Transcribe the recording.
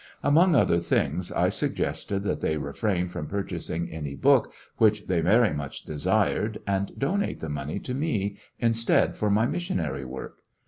Among other things, I suggested that they refrain from purchasing any book which they very much desired, and donate the money to me instead for my mis sionary work.